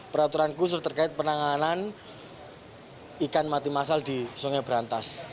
peraturan khusus terkait penanganan ikan mati masal di sungai berantas